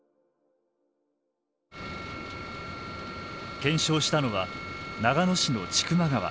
検証したのは長野市の千曲川。